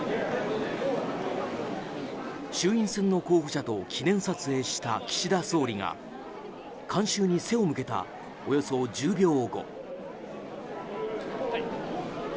衆院選の候補者と記念撮影した岸田総理が観衆に背を向けたおよそ１０秒後。